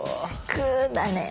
くだね。